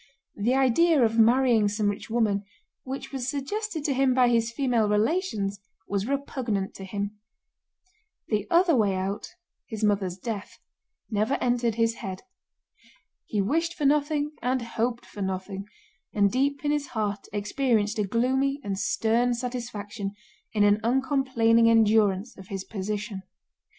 The idea of marrying some rich woman, which was suggested to him by his female relations, was repugnant to him. The other way out—his mother's death—never entered his head. He wished for nothing and hoped for nothing, and deep in his heart experienced a gloomy and stern satisfaction in an uncomplaining endurance of his position.